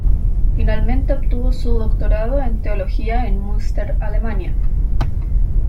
Finalmente obtuvo su doctorado en Teología en Münster, Alemania.